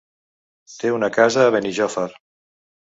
Té una casa a Benijòfar.